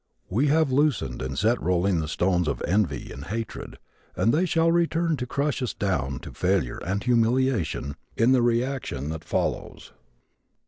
We have loosened and set rolling the stones of envy and hatred and they shall return to crush us down to failure and humiliation in the reaction that follows.